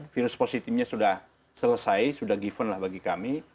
virus positifnya sudah selesai sudah given lah bagi kami